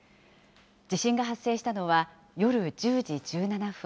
地震が発生したのは夜１０時１７分。